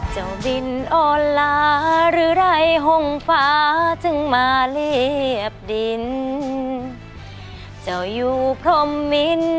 สวัสดีคุณครับ